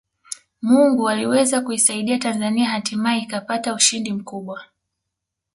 Mungu aliweza kuisaidia Tanzania hatimaye ikapata ushindi mkubwa